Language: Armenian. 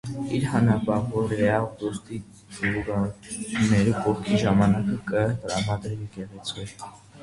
Իր հանապաղօրեայ ապրուստի դծուարութիւններու կողքին, ժամանակ կը տրմադրե եկեղեցւոյ։